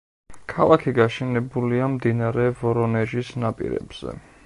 ქალაქი გაშენებულია მდინარე ვორონეჟის ნაპირებზე.